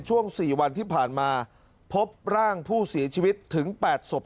ช่วงสี่วันที่ผ่านมาพบร่างผู้ศรีชีวิตถึงแปดศพ